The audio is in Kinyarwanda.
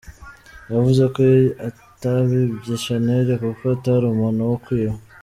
Yavuze ko atabibye Channel kuko atari umuntu wo kwiba.